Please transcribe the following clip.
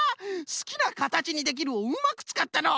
「すきなかたちにできる」をうまくつかったのう！